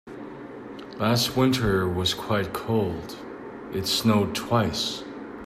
Last winter was quite cold, it snowed twice.